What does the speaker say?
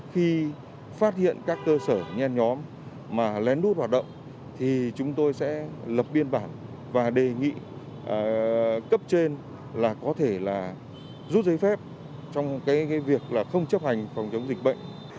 khi phát hiện các cơ sở nhen nhóm mà lén lút hoạt động thì chúng tôi sẽ lập biên bản và đề nghị cấp trên là có thể là rút giấy phép trong cái việc là không chấp hành phòng chống dịch bệnh